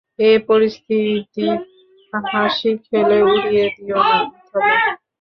এ পরিস্থিতি হাসি-খেলে উড়িয়ে দিও না, থামো।